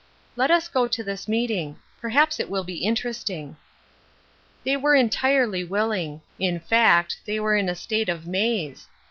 " Let us go to this meeting. Perhaps it will be interesting." They were entirely willing ; in fact, they were in a state of maze.